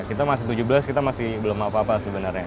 kita masih tujuh belas kita masih belum apa apa sebenarnya